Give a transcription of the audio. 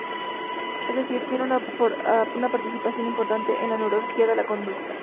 Es decir, tiene una participación importante en la neurología de la conducta.